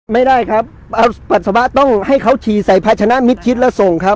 ไม่ได้ครับเอาปัสสาวะต้องให้เขาฉี่ใส่ภาชนะมิดชิดแล้วส่งครับ